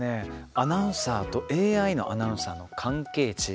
アナウンサーとＡＩのアナウンサーの関係値。